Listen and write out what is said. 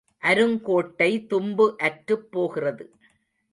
அருங்கோடை தும்பு அற்றுப் போகிறது.